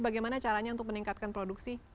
bagaimana caranya untuk meningkatkan produksi